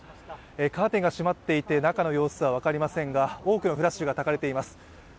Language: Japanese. カーテンが閉まっていて、中の様子は分かりませんが、多くのフラッシュがたかれています。